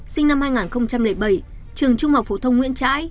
sinh năm hai nghìn bảy trường trung học phổ thông nguyễn trãi